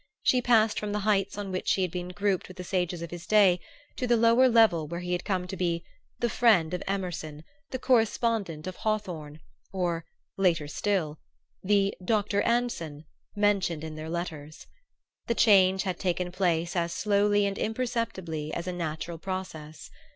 She passed from the heights on which he had been grouped with the sages of his day to the lower level where he had come to be "the friend of Emerson," "the correspondent of Hawthorne," or (later still) "the Dr. Anson" mentioned in their letters. The change had taken place as slowly and imperceptibly as a natural process.